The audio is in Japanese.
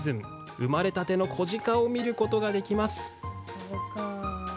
生まれたての子鹿を見ることができます。